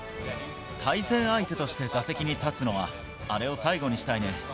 対戦相手として打席に立つのは、あれを最後にしたいね。